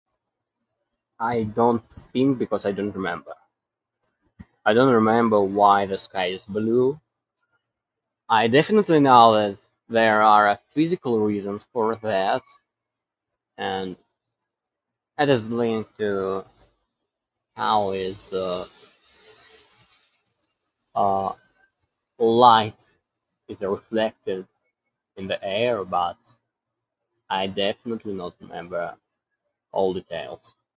I don't think, because I don't remember. I don't remember why the sky is blue. I definitely know that there are physical reasons for that, and it is linked to how is, uh, uh, light is reflected in the air. But, I definitely don't remember all details.